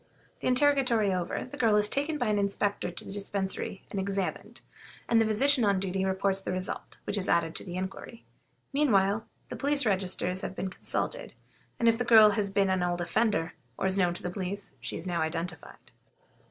The interrogatory over, the girl is taken by an inspector to the Dispensary and examined, and the physician on duty reports the result, which is added to the inquiry. Meanwhile, the police registers have been consulted, and if the girl has been an old offender, or is known to the police, she is now identified.